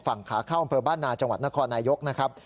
ฝั่งขาเข้าอำเภอบ้านนาจังหวัดนครนายกนะครับ